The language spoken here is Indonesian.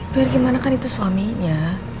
biar gimana kan itu suaminya